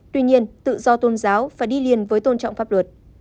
tuy nhiên tự do tôn giáo phải đi liền với tôn trọng pháp luật